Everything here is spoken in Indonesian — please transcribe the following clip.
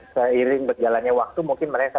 seiring berjalannya waktu mungkin mereka